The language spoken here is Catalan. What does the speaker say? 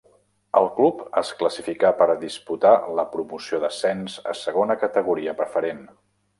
El club es classificà per disputar la promoció d'ascens a Segona Categoria Preferent.